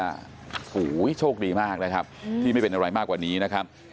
โอ้โหโชคดีมากนะครับที่ไม่เป็นอะไรมากกว่านี้นะครับ